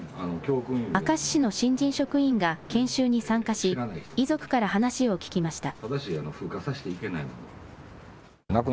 明石市の新人職員が研修に参加し、遺族から話を聞きました。